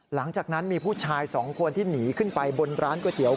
หลังจากนั้นมีผู้ชายสองคนที่หนีขึ้นไปบนร้านก๋วยเตี๋ย